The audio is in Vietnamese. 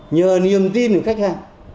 nhờ niềm tin của khách hàng